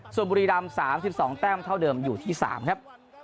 ส่วนบุรีรำ๓๒แต้มเท่าเดิมอยู่ที่๓ครับ